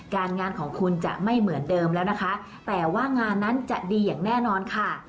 งานของคุณจะไม่เหมือนเดิมแล้วนะคะแต่ว่างานนั้นจะดีอย่างแน่นอนค่ะ